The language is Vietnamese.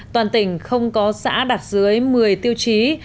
toàn tỉnh không có xã đạt dưới một mươi tiêu chí